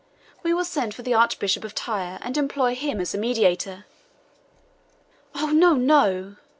We will send for the Archbishop of Tyre, and employ him as a mediator." "Oh, no, no!"